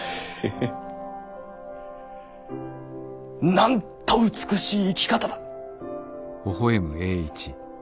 なんと美しい生き方だ。